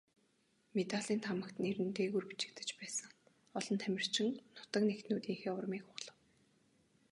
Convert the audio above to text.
Медалийн таамагт нэр нь дээгүүр бичигдэж байсан олон тамирчин нутаг нэгтнүүдийнхээ урмыг хугалав.